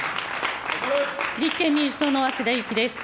立憲民主党の早稲田ゆきです。